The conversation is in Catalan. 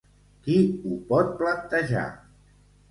Qui ho pot plantejar?